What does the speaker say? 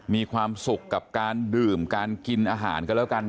มีความสุขกับการดื่มการกินอาหารกันแล้วกัน